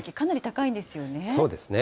そうですね。